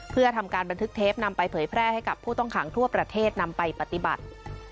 เพื่อทำการบันทึกเทปนำไปเผยแพร่ให้กับผู้ต้องขังทั่วประเทศนำไปปฏิบัติ